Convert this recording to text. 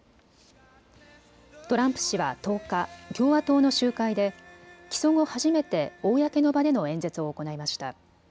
トランプ氏は１０日、共和党の集会で起訴後初めて公の場での演説を行いました。